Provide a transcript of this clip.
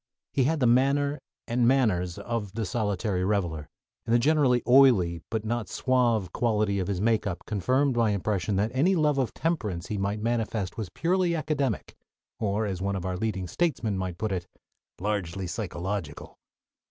He had the manner and manners of the solitary reveler, and the generally "oily," but not suave, quality of his makeup confirmed my impression that any love of temperance he might manifest was purely academic, or, as one of our leading statesmen might put it, "largely psychological."